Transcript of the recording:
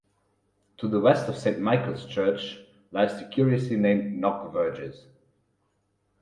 To the west of St.Michael's Church lies the curiously named 'Nock Verges'.